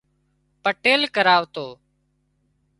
پٽيل ڪرواتو